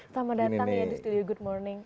selamat datang ya di studio good morning